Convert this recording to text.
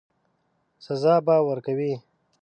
سزا به ورکوي.